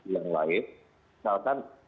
yang lain misalkan